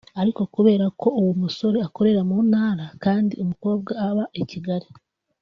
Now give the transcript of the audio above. Ariko kubera ko uwo musore akorera mu ntara kandi umukobwa aba i Kigali